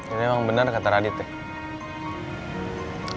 ini emang benar kata radit ya